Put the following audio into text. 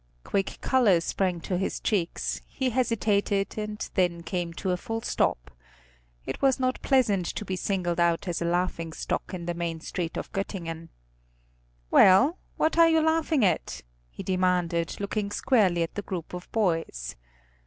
Quick color sprang to his cheeks, he hesitated, and then came to a full stop. It was not pleasant to be singled out as a laughing stock in the main street of Göttingen. "Well, what are you laughing at?" he demanded, looking squarely at the group of boys.